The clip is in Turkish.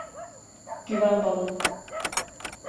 Güven bana.